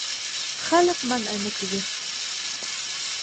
خلک منع نه کړې.